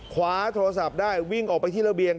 คว้าโทรศัพท์ได้วิ่งออกไปที่ระเบียง